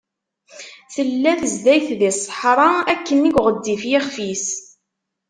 Tella tezdayt di sseḥra, akken‑nni γezzif yixef-is.